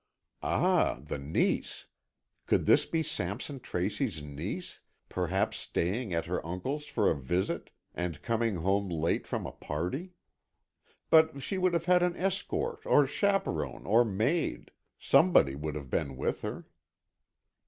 Ah, the niece. Could this be Sampson Tracy's niece, perhaps staying at her uncle's for a visit and coming home late from a party? But she would have had an escort or chaperon or maid—somebody would have been with her.